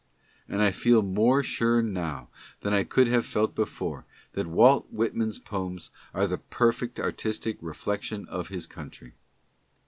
And I feel more sure now than I could have felt before, that Walt Whitman's poems are the perfect artistic reflection of his country.